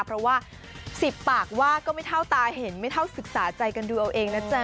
เพราะว่า๑๐ปากว่าก็ไม่เท่าตาเห็นไม่เท่าศึกษาใจกันดูเอาเองนะจ๊ะ